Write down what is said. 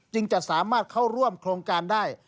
จะสามารถเข้าร่วมโครงการได้